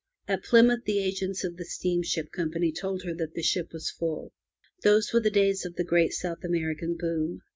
At Plymouth the agents of the steam ship company told her that the ship was full. Those were the days of the great South American boom.